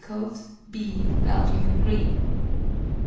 b, albumen green.